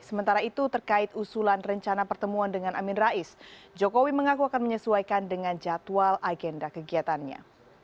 sementara itu terkait usulan rencana pertemuan dengan amin rais jokowi mengaku akan menyesuaikan dengan jadwal agenda kegiatannya